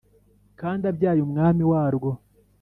Kandi abyaye umwami warwo